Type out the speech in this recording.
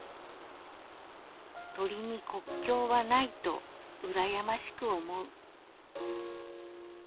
「鳥に国境はないとうらやましく思う」